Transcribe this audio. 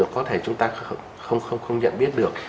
có thể chúng ta không nhận biết được